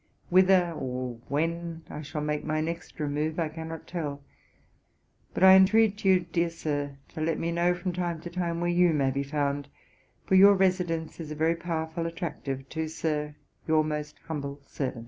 Whither or when I shall make my next remove I cannot tell; but I entreat you, dear Sir, to let me know, from time to time, where you may be found, for your residence is a very powerful attractive to, Sir, your most humble servant.'